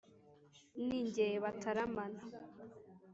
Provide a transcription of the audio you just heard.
ni jye bataramana.